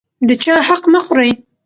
د چا حق مه خورئ.